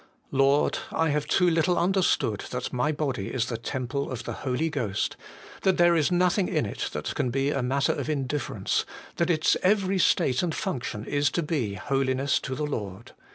Lord ! I have too little understood that my body is the temple of the Holy Ghost, that there is nothing in it that can be matter of indifference, that its every state and function is to be holiness to the Lord.